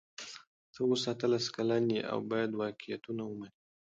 ته اوس اتلس کلنه یې او باید واقعیتونه ومنې.